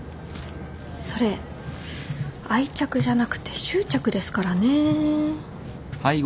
それ愛着じゃなくて執着ですからね。